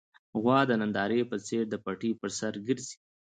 غوا د نندارې په څېر د پټي پر سر ګرځي.